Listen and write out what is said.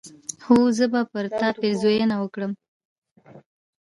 هو! زه به پر تا پيرزوينه وکړم